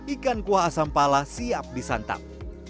ikan kuah asam pala siap disantap